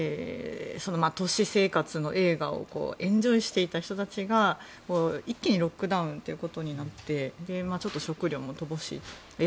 その都市生活の栄華をエンジョイしていた人たちが一気にロックダウンということになってちょっと食料も乏しい。